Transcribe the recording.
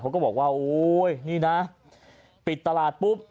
ก็บอกว่าโอ๊ยนี่นะปิดตลาดปุ๊บ